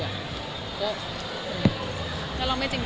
ฮ่ามันคือคนจริงจัง